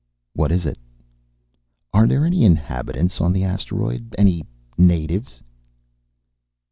"What is it?" "Are there any inhabitants on the asteroid? Any natives?"